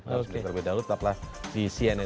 terus beritahu tutuplah di cnn indonesia prime news